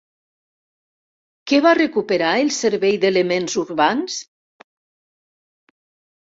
Què va recuperar el Servei d'Elements Urbans?